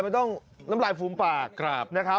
ไม่ต้องน้ำลายฟูมปากนะครับ